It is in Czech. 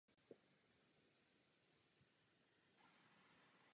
Byl předsedou komorního soudu a v soudních záležitostech předsedou královské rady.